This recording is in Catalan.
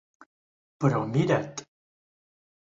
Però mira't.